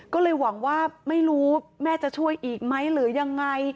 ก็เลยหวังว่าไม่รู้แม่จะช่วยอีกไหมหรือยังไง